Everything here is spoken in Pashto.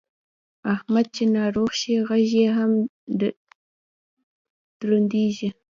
احمد چې ناروغ شي غږ یې هم درنېږي.